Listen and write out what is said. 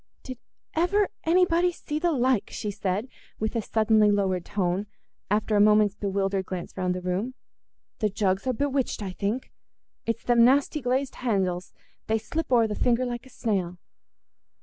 "Did ever anybody see the like?" she said, with a suddenly lowered tone, after a moment's bewildered glance round the room. "The jugs are bewitched, I think. It's them nasty glazed handles—they slip o'er the finger like a snail."